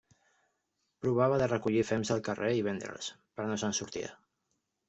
Provava de recollir fems del carrer i vendre'ls, però no se'n sortia.